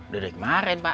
dari kemarin pak